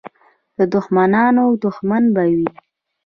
د دښمنانو دښمن به وي.